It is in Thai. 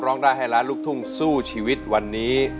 ร้องได้ให้ล้านลูกทุ่งสู้ชีวิตวันนี้